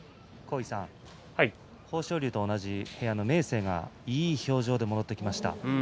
豊昇龍と同じ部屋の明生がいい表情で帰ってきました。